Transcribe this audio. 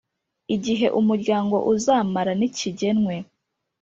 Igihe umuryango uzamara ntikigenwe